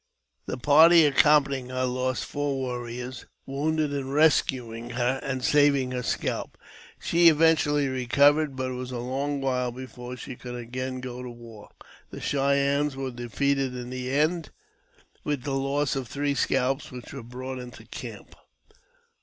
The party accompanying her lost four warriors, wounded in rescuing her, and saving her scalp. She eventually recovered, but it was a long while before she could again go to war. The Cheyennes were defeated in the end, with the loss of three scalps, which were brought into camp.